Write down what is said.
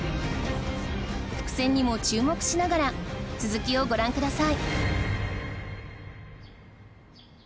伏線にも注目しながら続きをご覧ください